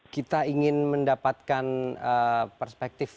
kita ingin mendapatkan perspektif